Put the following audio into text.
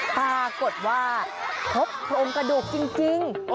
ปรากฎว่าครบปรมกระดุกจริง